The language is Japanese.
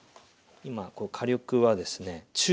今火力はですね中火。